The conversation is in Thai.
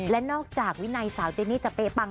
และนอกจากวินัยสาวเจนี่จะเป๊ะปัง